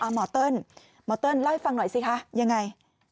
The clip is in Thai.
หมอเติ้ลหมอเติ้ลเล่าให้ฟังหน่อยสิคะยังไง